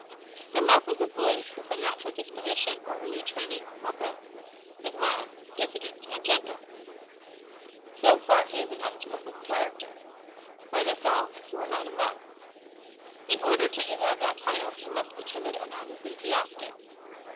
The muff is a boy who from natural disposition, or early training, or both, is mild, diffident, and gentle. So far he is an estimable character. Were this all, he were not a muff. In order to deserve that title he must be timid and unenthusiastic.